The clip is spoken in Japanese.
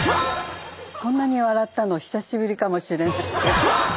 こんなに笑ったの久しぶりかもしれない。